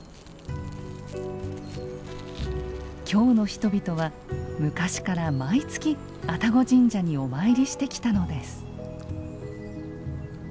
京の人々は昔から毎月愛宕神社にお参りしてきたのです。